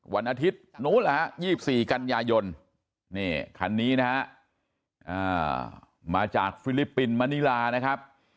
วันอาทิตย์๒๔กันยายนคันนี้นะครับมาจากฟิลิปปินส์มะนิลานะครับ